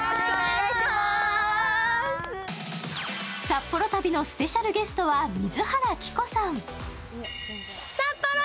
札幌旅のスペシャルゲストは水原希子さん。